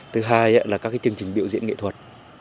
thứ hai là các chương trình biểu diễn nghệ thuật